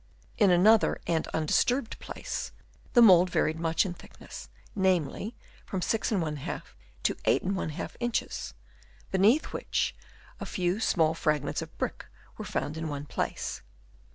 In another and undisturbed place, the mould varied much in thickness, namely, from 6^ to 8^ inches ; beneath which a few small fragments of brick were found in one place.